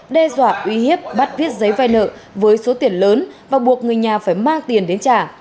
đe dọa uy hiếp bắt viết giấy vai nợ với số tiền lớn và buộc người nhà phải mang tiền đến trả